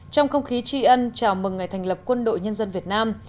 trong không khí tri ân chào mừng ngày thành lập quân đội nhân dân việt nam